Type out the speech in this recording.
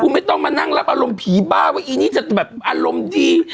คุณไม่ต้องมานั่งรับอารมณ์ผีบ้าว่าอีนี่จะแบบอารมณ์ดี